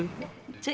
ini keburan siapa cuy